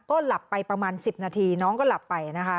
ก็หลับไปประมาณ๑๐นาทีน้องก็หลับไปนะคะ